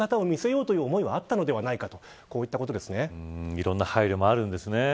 いろんな配慮もあるんですね。